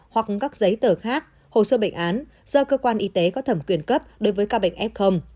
hoặc các giấy tờ khác hồ sơ bệnh án do cơ quan y tế có thẩm quyền cấp đối với ca bệnh f